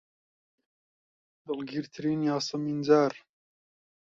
دڵگیرترین یاسەمینجاڕ